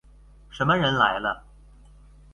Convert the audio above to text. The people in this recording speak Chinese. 什么人来了？